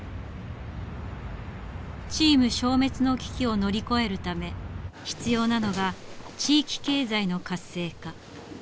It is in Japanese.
チーム消滅の危機を乗り越えるため必要なのが地域経済の活性化。